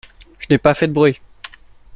Je n'ai pas fait de bruit.